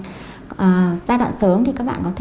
gia đoạn sớm thì các bạn có thể